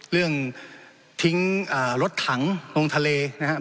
เรื่องทิ้งรถถังลงทะเลนะครับ